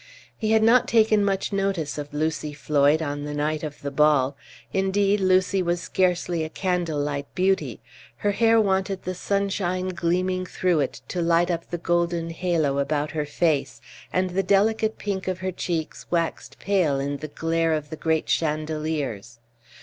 He had not taken much notice of Lucy Floyd on the night of the ball; indeed, Lucy was scarcely a candle light beauty; her hair wanted the sunshine gleaming through it to light up the golden halo about her face, and the delicate pink of her cheeks waxed pale in the glare of the great chandeliers.